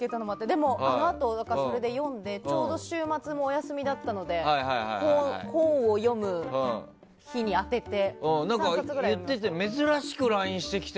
でも、あのあと読んでちょうど週末もお休みだったので本を読む日に当てて。